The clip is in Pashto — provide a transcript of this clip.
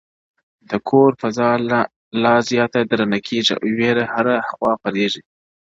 د کور فضا لا زياته درنه کيږي او وېره هره خوا خپريږي-